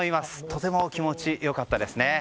とても気持ち良かったですね。